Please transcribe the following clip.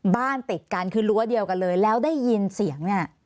บ้านติดกันคือรั้วเดียวกันเลยแล้วได้ยินเสียงเนี่ย